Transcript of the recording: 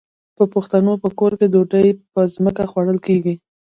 د پښتنو په کور کې ډوډۍ په ځمکه خوړل کیږي.